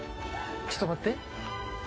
ちょっと待って。